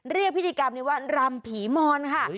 เรียกพิธีกรรมนี้ว่ารำผีมอนค่ะ